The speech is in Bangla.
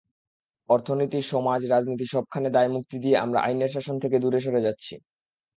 অর্থনীতি, সমাজ, রাজনীতি—সবখানে দায়মুক্তি দিয়ে আমরা আইনের শাসন থেকে দূরে সরে যাচ্ছি।